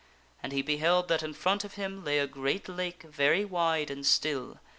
And he beheld that in front of him lay a great lake, very wide and still.